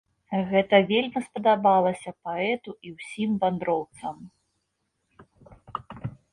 Гэта вельмі спадабалася паэту і ўсім вандроўцам.